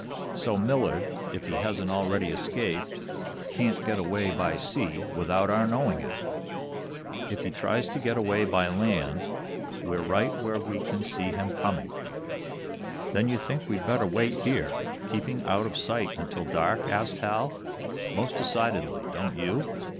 So Millard, if he hasn't already escaped, can't get away by sea without our knowing it. If he tries to get away by land, we're right where we can see him coming." "Then you think we'd better wait here, keeping out of sight, until dark?" asked Hal. "Most decidedly. Don't you?"